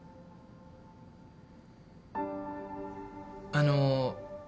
あの。